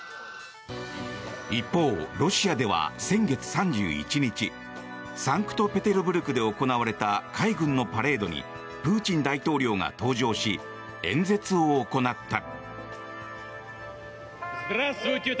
一方、ロシアでは先月３１日サンクトペテルブルクで行われた海軍のパレードにプーチン大統領が登場し演説を行った。